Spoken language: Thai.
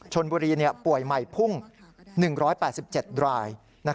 ชนบุรีป่วยใหม่พุ่ง๑๘๗ราย